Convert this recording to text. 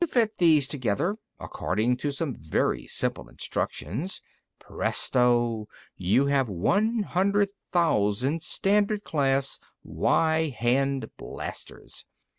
You fit these together according to some very simple instructions. Presto! You have one hundred thousand Standard class Y hand blasters.